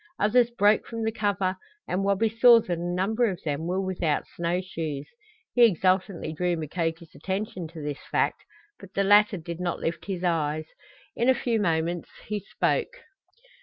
Others broke from the cover, and Wabi saw that a number of them were without snow shoes. He exultantly drew Mukoki's attention to this fact, but the latter did not lift his eyes. In a few moments he spoke.